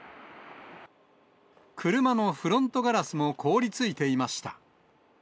車のフロントガラスも凍りついていました。